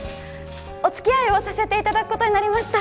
おつきあいをさせていただくことになりました